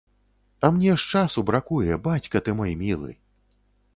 А мне ж часу бракуе, бацька ты мой мілы!